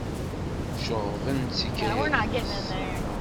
Ceɣɣben-tt ikayaden-is.